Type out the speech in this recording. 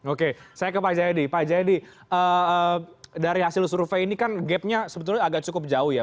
oke saya ke pak jaidi pak jaidi dari hasil survei ini kan gap nya sebetulnya agak cukup jauh ya